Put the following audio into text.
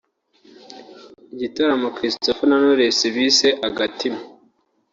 Igitaramo Christopher na Knowless bise ‘Agatima’